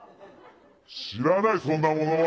知らないそんなものは。